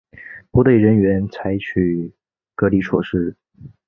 不对人员采取隔离措施